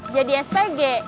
dia di spg